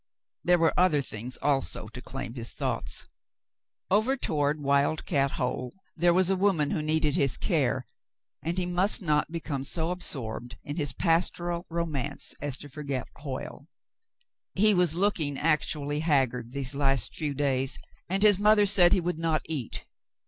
There were other things also to claim his thoughts. 120 Cassandra's Trouble 121 Over toward "Wild Cat Hole" there was a woman who needed his care ; and he must not become so absorbed in his pastoral romance as to forset Hoyle. He was looking actually haggard these last few days, and his mother said he would not eat.